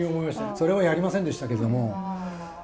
それはやりませんでしたけども。